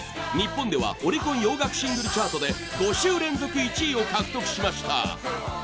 日本ではオリコン洋楽シングルチャートで５週連続１位を獲得しました。